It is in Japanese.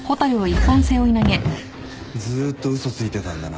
ずっと嘘ついてたんだな。